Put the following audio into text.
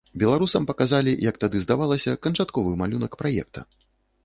Беларусам паказалі, як тады здавалася, канчатковы малюнак праекта.